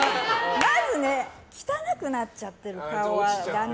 まず汚くなっちゃってる顔はダメ。